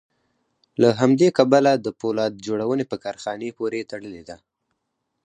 له همدې کبله د پولاد جوړونې په کارخانې پورې تړلې ده